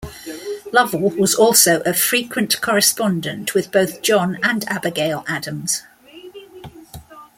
Lovell was also a frequent correspondent with both John and Abigail Adams.